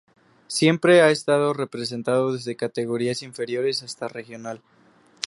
Siempre ha estado representado desde categorías inferiores hasta regional.